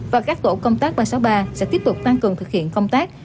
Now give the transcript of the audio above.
và các tổ công tác ba trăm sáu mươi ba sẽ tiếp tục tăng cường thực hiện công tác